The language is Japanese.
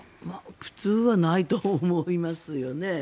普通はないと思いますよね。